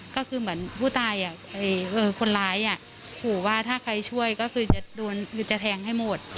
ก็คือเหมือนผู้ตายคนร้ายขู่ว่าถ้าใครช่วยก็คือจะแทงให้หมด